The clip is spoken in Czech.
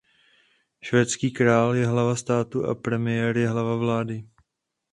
Švédský král je hlava státu a premiér je hlava vlády.